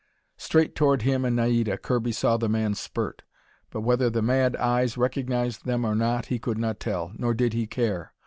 Straight toward him and Naida, Kirby saw the man spurt, but whether the mad eyes recognized them or not, he could not tell, nor did he care.